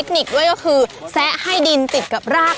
ต้องมีเทคนิคด้วยคือแซะให้ดินติดกับลาก